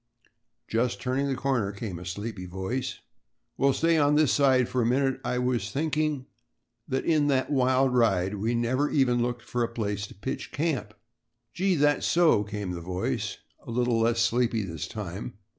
"Just turning the corner," came a sleepy voice. "Well, stay on this side for a minute. I was just thinking that in that wild ride we never even looked for a place to pitch camp." "Gee, that's so," came the voice, a little less sleepy this time.